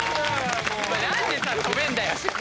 何で跳べんだよ！